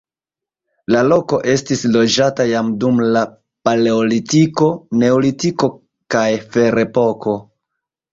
La loko estis loĝata jam dum la paleolitiko, neolitiko kaj ferepoko.